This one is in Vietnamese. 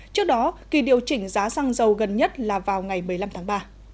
trước đó kỳ điều chỉnh giá xăng dầu gần nhất là vào ngày một mươi năm tháng ba